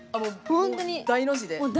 本当に大の字で。